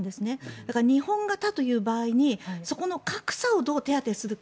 だから、日本型という場合にそこの格差をどう手当てするか。